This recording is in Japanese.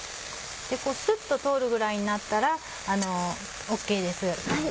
スッと通るぐらいになったらＯＫです。